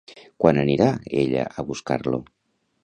Quan anirà ella a buscar-lo?